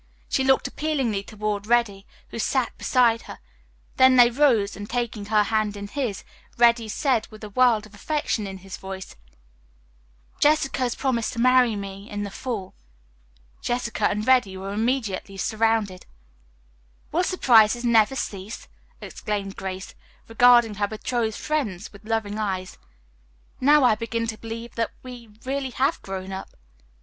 She looked appealingly toward Reddy, who sat beside her, then they rose and, taking her hand in his, Reddy said with a world of affection in his voice, "Jessica has promised to marry me in the fall." Jessica and Reddy were immediately surrounded. "Will surprises never cease?" exclaimed Grace, regarding her betrothed friends with loving eyes. "Now I begin to believe that we have really grown up."